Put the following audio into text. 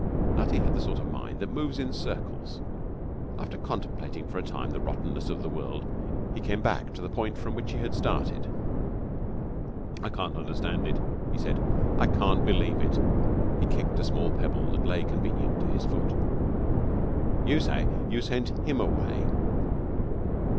Nutty had the sort of mind that moves in circles. After contemplating for a time the rottenness of the world, he came back to the point from which he had started. 'I can't understand it,' he said. 'I can't believe it.' He kicked a small pebble that lay convenient to his foot. 'You say you sent him away.